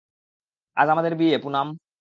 আজ আমাদের বিয়ে, পুনাম।